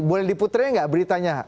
boleh diputri nggak beritanya